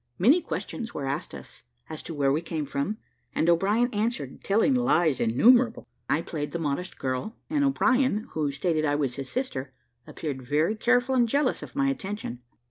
Many questions were asked us, as to where we came from, and O'Brien answered, telling lies innumerable. I played the modest girl, and O'Brien, who stated I was his sister, appeared very careful and jealous of my attention.